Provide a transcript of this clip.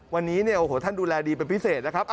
วันนี้เนี่ยโอ้โหท่านดูแลดีเป็นพิเศษนะครับ